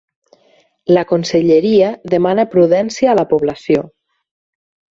La Conselleria demana prudència a la població.